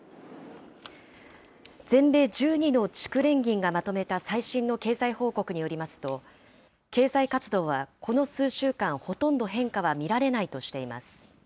全米１２の地区連銀がまとめた最新の経済報告によりますと、経済活動はこの数週間、ほとんど変化は見られないとしています。